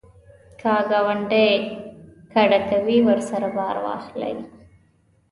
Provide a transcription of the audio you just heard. که ګاونډی کډه کوي، ورسره بار واخله